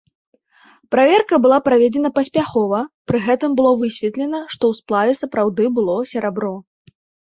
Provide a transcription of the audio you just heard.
Праверка была праведзена паспяхова, пры гэтым было высветлена, што ў сплаве сапраўды было серабро.